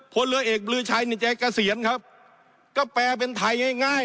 พ่อเรือเอกนี่แก้เกษียณครับแปลเป็นทัยง่าย